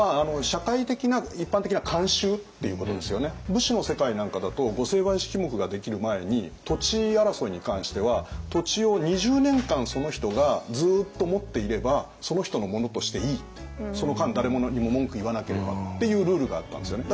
武士の世界なんかだと御成敗式目ができる前に土地争いに関しては土地を２０年間その人がずっと持っていればその人のものとしていいってその間誰も何も文句言わなければっていうルールがあったんですよね。